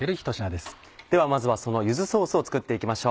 ではまずはその柚子ソースを作っていきましょう。